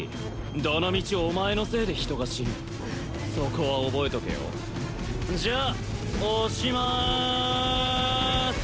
どのみちお前のせいで人が死ぬそこは覚えとけよじゃあ押します